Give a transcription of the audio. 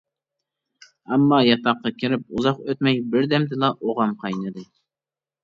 ئەمما ياتاققا كىرىپ ئۇزاق ئۆتمەي بىردەمدىلا ئوغام قاينىدى.